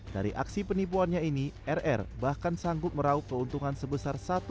dari aksi penipuannya ini rr bahkan sanggup meraup keuntungan sebesar